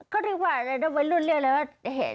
เขาเรียกว่าอะไรนะ